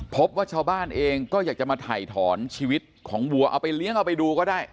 พบว่าชาวบ้านเองก็อยากจะมาถ่ายถอนชีวิตของวัวเอาไปเลี้ยงเอาไปดูก็ได้